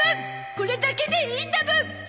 これだけでいいんだもん！